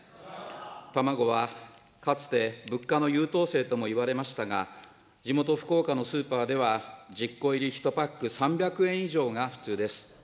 卵はかつて物価の優等生ともいわれましたが、地元、福岡のスーパーでは、１０個入り１パック３００円以上が普通です。